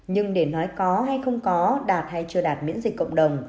nhưng để nói có hay không có đặt hay chưa đặt miễn dịch cộng đồng